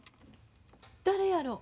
誰やろう？